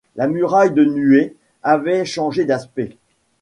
La muraille de nuée avait changé d’aspect.